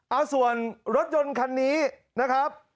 เอาส่วนรถยนต์คันนี้นะครับ